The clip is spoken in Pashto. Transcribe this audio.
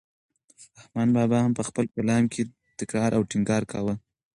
رحمان بابا هم په خپل کلام کې تکرار او ټینګار کاوه.